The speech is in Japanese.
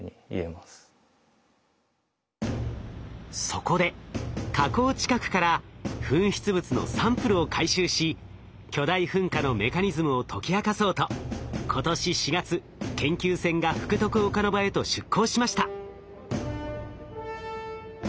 そこで火口近くから噴出物のサンプルを回収し巨大噴火のメカニズムを解き明かそうと今年４月研究船が福徳岡ノ場へと出航しました。